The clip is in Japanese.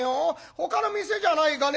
ほかの店じゃないかね」。